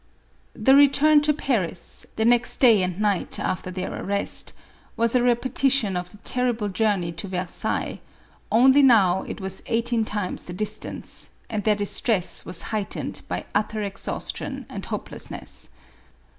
The return to Paris, the next day and night after their arrest, was a repetition of the terrible journey to Versailles, only now it was eighteen times the distance, and their distress was heightened by utter exhaustion and hopelessness.